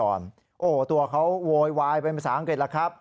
โอ้โหตัวเขาโวยวายเป็นภาษาอังกฤษแล้วครับ